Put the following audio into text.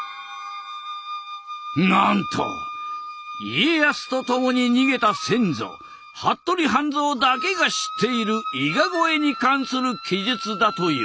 なんと家康と共に逃げた先祖服部半蔵だけが知っている伊賀越えに関する記述だという。